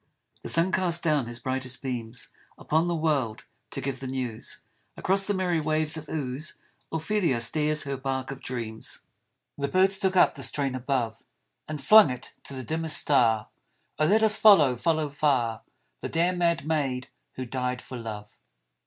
The sun cast down his brightest beams Upon the world, to give the news : "Across the merry waves of Ouse Ophelia steers her bark of dreams." 67 ONE SUMMER'S DAY The birds took up the strain above And flung it to the dimmest star :" Oh, let us follow, follow far The dear mad maid who died for love